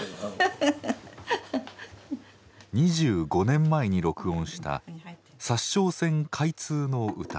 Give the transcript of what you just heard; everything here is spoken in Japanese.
２５年前に録音した「札沼線開通の歌」